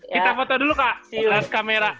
kita foto dulu kak kelas kamera